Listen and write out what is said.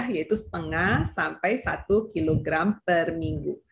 yaitu setengah sampai satu kilogram per minggu